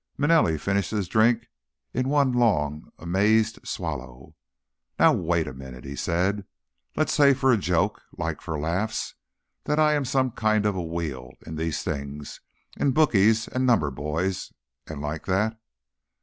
Manelli finished his drink in one long, amazed swallow. "Now, wait a minute," he said. "Let's say for a joke, like, for laughs, that I am some kind of a wheel in these things, in bookies and numbers boys and like that."